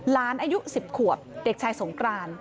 อายุ๑๐ขวบเด็กชายสงกราน